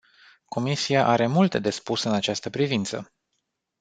Comisia are multe de spus în această privință.